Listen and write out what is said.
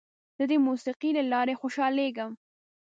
زه د موسیقۍ له لارې خوشحالېږم.